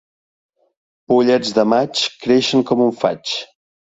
Pollets de maig creixen com un faig.